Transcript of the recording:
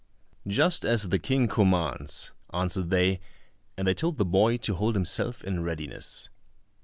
"Just as the King commands," answered they, and they told the boy to hold himself in readiness.